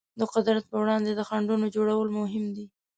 د قدرت پر وړاندې د خنډونو جوړول مهم دي.